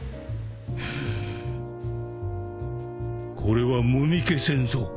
これはもみ消せんぞ。